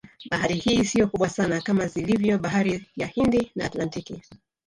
Bahari hii siyo kubwa sana kama zilivyo Bahari ya hindi na Atlantiki